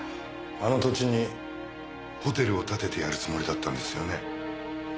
あの土地にホテルを建ててやるつもりだったんですよね。